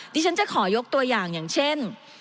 ดิฉันจะขอยกตัวอย่างอย่างเช่น